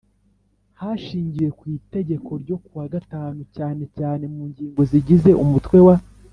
Hashingiwe ku Itegeko ryo ku wa gatanu cyane cyane mu ngingo zigize umutwe wa